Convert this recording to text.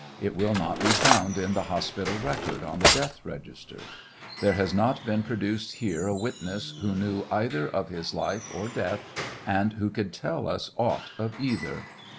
It will not be found in the hospital record on the death register. There has not been produced here a witness who knew either of his life or death, and who could tell us aught of either.